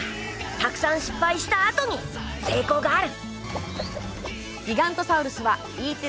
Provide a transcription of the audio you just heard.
たくさん失敗したあとに成功がある。